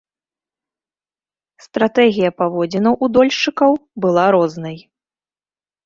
Стратэгія паводзінаў у дольшчыкаў была рознай.